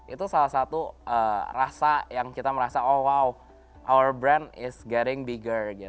itu salah satu rasa yang kita merasa oh wow our brand is gathering beager